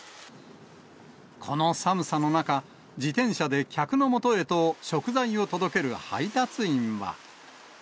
この寒さの中、自転車で客のもとへと食材を届ける配達員は。